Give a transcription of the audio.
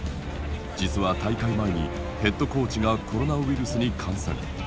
実は大会前にヘッドコーチがコロナウイルスに感染。